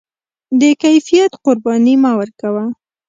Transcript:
د کیفیت قرباني مه ورکوه.